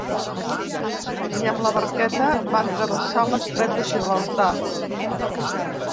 I amb la barqueta van travessar l’estret de Gibraltar.